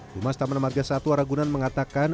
humas taman marga satwa ragunan mengatakan